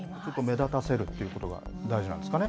目立たせるということが大事なんですかね。